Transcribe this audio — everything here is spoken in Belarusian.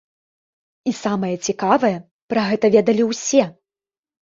І самае цікавае, пра гэта ведалі усе!